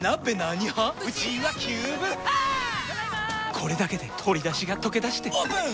これだけで鶏だしがとけだしてオープン！